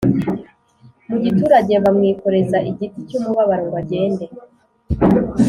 mu giturage bamwikoreza igiti cy umubabaro ngo agende